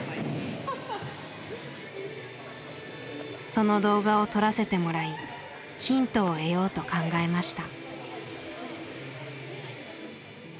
その動画を撮らせてもらいヒントを得ようと考えました。